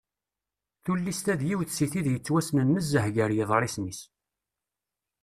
Tullist-a d yiwet si tid yettwassnen nezzeh gar yeḍrisen-is.